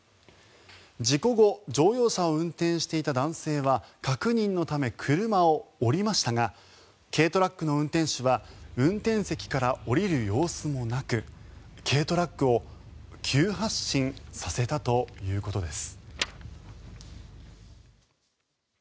事故後乗用車を運転していた男性は確認のため車を降りましたが軽トラックの運転手は運転席から降りる様子もなく軽トラックを急発進させたということです。